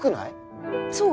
そう？